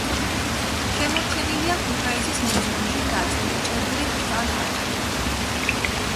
შემორჩენილია ქუთაისის მუზეუმში დაცული ჭედური ჯვარ–ხატები.